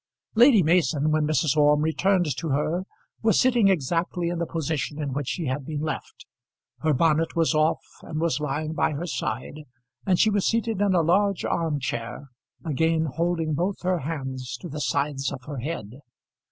Lady Mason, when Mrs. Orme returned to her, was sitting exactly in the position in which she had been left. Her bonnet was off and was lying by her side, and she was seated in a large arm chair, again holding both her hands to the sides of her head.